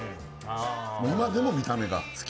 今でも見た目が好き？